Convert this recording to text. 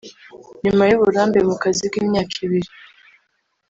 nyuma y’uburambe mu kazi bw’imyaka ibiri